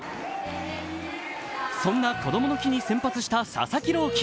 そんなこどもの日に先発した佐々木朗希。